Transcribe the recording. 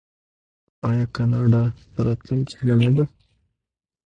آیا کاناډا د راتلونکي هیله نه ده؟